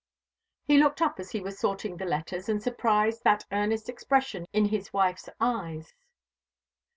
He looked up as he was sorting the letters, and surprised that earnest expression in his wife's eyes.